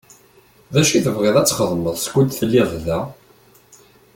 D acu i tebɣiḍ ad txedmeḍ skud telliḍ da?